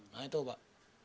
nah itu pak